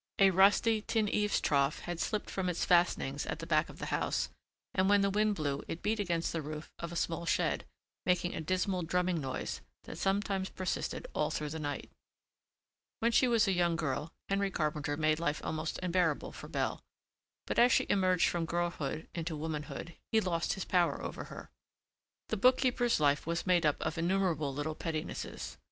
A rusty tin eaves trough had slipped from its fastenings at the back of the house and when the wind blew it beat against the roof of a small shed, making a dismal drumming noise that sometimes persisted all through the night. When she was a young girl Henry Carpenter made life almost unbearable for Belle, but as she emerged from girlhood into womanhood he lost his power over her. The bookkeeper's life was made up of innumerable little pettinesses.